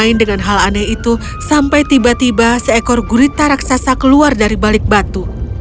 dia berhenti dan menemukan daya daya itu sampai tiba tiba seekor gurita raksasa keluar dari balik batu